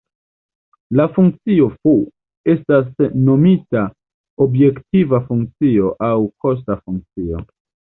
La funkcio "f" estas nomita objektiva funkcio, aŭ kosta funkcio.